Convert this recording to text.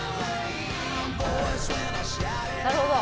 なるほど。